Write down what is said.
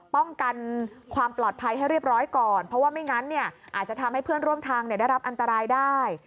ป้องกันความปลอดภัยให้เรียบร้อยก่อนเพราะว่าไม่งั้นเนี่ยอาจจะทำให้เพื่อนร่วมทางได้รับอันตรายได้